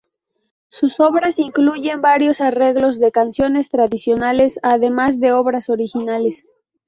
Sus obras incluyen varios arreglos de canciones tradicionales además de obras originales.